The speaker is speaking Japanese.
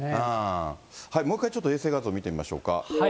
もう１回、ちょっと衛星画像見てみましょうか。